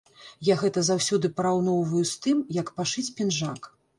Я гэта заўсёды параўноўваю з тым, як пашыць пінжак.